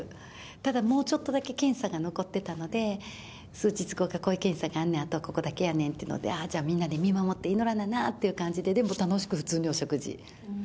ただ、もうちょっとだけ検査が残ってたので、数日後、こういう検査があんねん、あとここだけやねんっていうので、あー、じゃあみんなで見守っていのらななって感じで、でも普通に楽しいお食事。